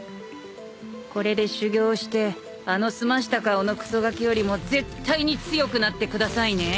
これで修行してあの澄ました顔のクソガキよりも絶対に強くなってくださいね。